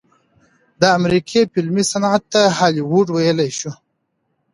د امريکې فلمي صنعت ته هالي وډ وئيلے شي